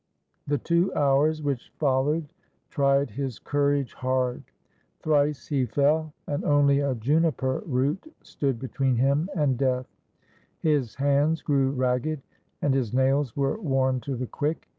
The two hours which followed tried his courage hard. I02 THE LEMNIAN: A STORY OF THERMOPYLAE Thrice he fell, and only a juniper root stood between him and death. His hands grew ragged, and his^ nails were worn to the quick.